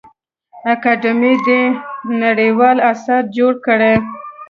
اکاډمي دي نړیوال اثار جوړ کړي.